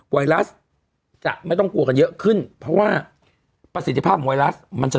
ไวรัสจะไม่ต้องกลัวกันเยอะขึ้นเพราะว่าประสิทธิภาพไวรัสมันจะ